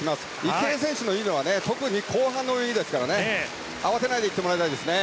池江選手のいいのは特に後半の泳ぎですから合わせないで行ってほしいです。